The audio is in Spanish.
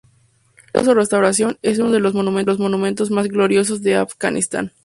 Debido a su restauración, es uno de los monumentos más gloriosos de Afganistán.